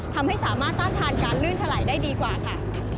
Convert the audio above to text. ทำให้สามารถต้านทานการลื่นถลายได้ดีกว่าค่ะ